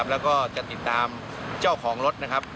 แล้วก็จะติดตามเจ้าของรถ